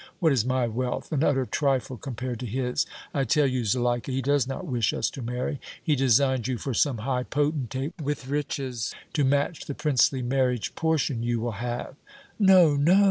What is my wealth? An utter trifle compared to his. I tell you, Zuleika, he does not wish us to marry. He designs you for some high potentate with riches to match the princely marriage portion you will have!" "No, no!"